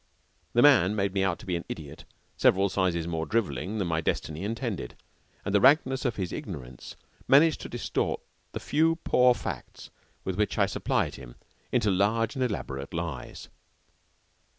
The man made me out to be an idiot several sizes more drivelling than my destiny intended, and the rankness of his ignorance managed to distort the few poor facts with which I supplied him into large and elaborate lies.